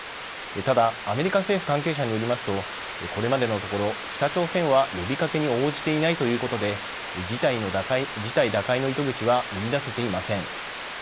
ただ、アメリカ政府関係者によりますとこれまでのところ北朝鮮は呼びかけに応じていないということで事態打開の糸口は見いだせていません。